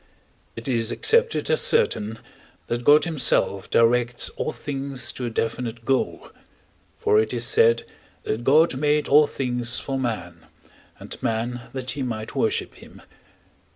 It is accepted as certain, that God himself directs all things to a definite goal (for it is said that God made all things for man, and man that he might worship him).